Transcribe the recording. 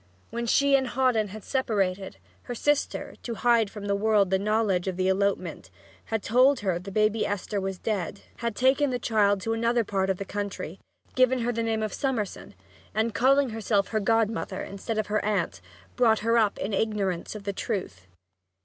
When she and Hawdon had separated, her sister, to hide from the world the knowledge of the elopement, had told her the baby Esther was dead, had taken the child to another part of the country, given her the name of Summerson, and, calling herself her godmother instead of her aunt, brought her up in ignorance of the truth.